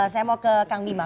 saya mau ke kang bima